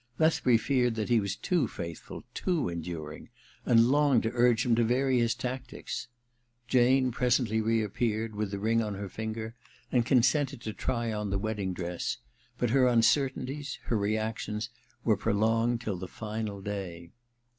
Lethbury feared that he was too fsuthful, too enduring, and longed to urge him to vary his tactics. Jane presently reappeared with the ring on her finger, and consented to try on the wedding* dress ; but her uncertainties, her reactions, were prolonged till the final day.